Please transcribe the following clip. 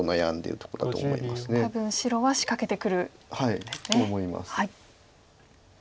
多分白は仕掛けてくるんですね。と思います。